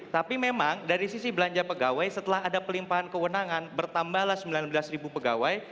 tapi memang dari sisi belanja pegawai setelah ada pelimpahan kewenangan bertambahlah sembilan belas pegawai